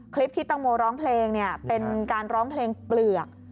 คลิปที่ตังโมร้องเพลงเนี่ยเป็นการร้องเพลงเปลือก